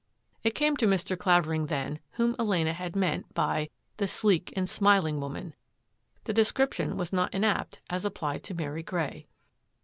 It came to Mr. Clavering then whom Elena had meant by " the sleek and smiling woman." The description was not inapt as applied to Mary Grey.